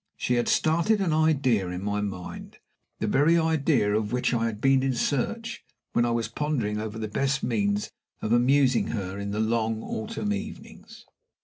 She had started an idea in my mind the very idea of which I had been in search when I was pondering over the best means of amusing her in the long autumn evenings.